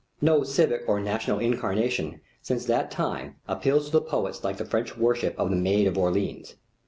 No civic or national incarnation since that time appeals to the poets like the French worship of the Maid of Orleans.